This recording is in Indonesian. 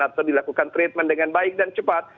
atau dilakukan treatment dengan baik dan cepat